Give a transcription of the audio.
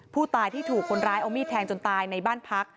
ผู้ตายที่ถูกคนร้ายเอามีดแทงจนตายในบ้านพัก